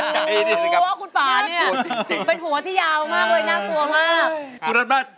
เพราะว่าคุณป่าเนี่ยเป็นหัวที่ยาวมากเลยน่ากลัวมาก